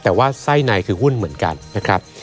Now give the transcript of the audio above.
แต่ว่าไส้ในคือหุ้นเหมือนกันนะครับ